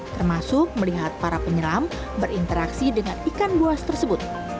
termasuk melihat para penyelam berinteraksi dengan ikan buas tersebut